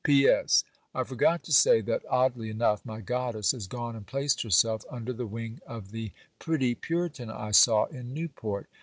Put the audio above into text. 'P.S. I forgot to say that, oddly enough, my goddess has gone and placed herself under the wing of the pretty Puritan I saw in Newport.